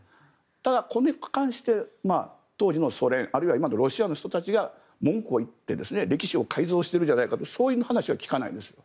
ただこれに関して、当時のソ連あるいは今のロシアの人たちが文句を言って歴史を改造しているじゃないかという話は聞かないです。